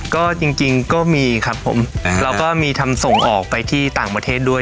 ก็จริงก็มีครับผมแล้วก็มีทำส่งออกไปที่ต่างประเทศด้วย